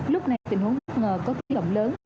lúc này tình huống bất ngờ có tính lộng lớn